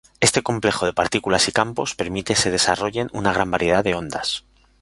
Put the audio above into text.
Este complejo de partículas y campos permite se desarrollen una gran variedad de ondas.